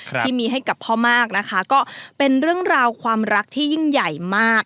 ที่มีให้กับพ่อมากนะคะก็เป็นเรื่องราวความรักที่ยิ่งใหญ่มาก